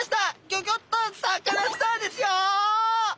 「ギョギョッとサカナ★スター」ですよ！